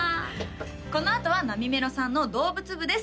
このあとはなみめろさんの動物部です